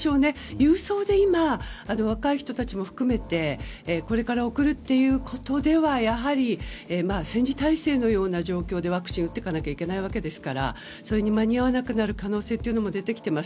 郵送で今若い人たちも含めてこれから送るっていうことではやはり戦時体制のような状況でワクチンを打っていかなきゃいけないわけですからそれに間に合わなくなる可能性も出てきています。